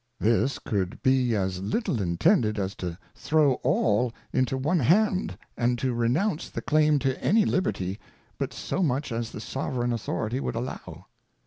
This could be as little intended, as to throw all into one Hand, and to renounce the Claim to any Liberty, but so much as the Sovereign Authority would allow.